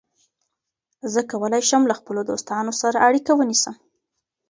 زه کولای شم د خپلو دوستانو سره اړیکه ونیسم.